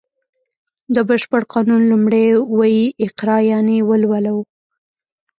د بشپړ قانون لومړی ویی اقرا یانې ولوله و